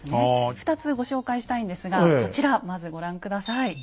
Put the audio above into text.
２つご紹介したいんですがこちらまずご覧下さい。